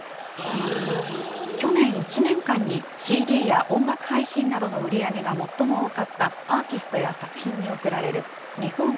去年１年間にＣＤや音楽配信などの売り上げが最も多かったアーティストや作品に贈られる日本